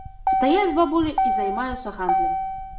Стаяць бабулі і займаюцца гандлем.